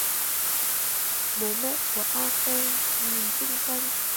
Bố mẹ của A Pheng nhìn xung quanh